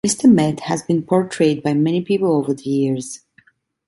Mr. Met has been portrayed by many people over the years.